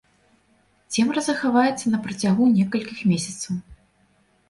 Цемра захаваецца на працягу некалькіх месяцаў.